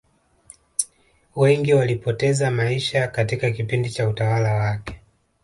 wengi walipoteza maisha katika kipindi cha utawala wake